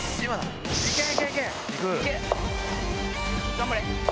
頑張れ！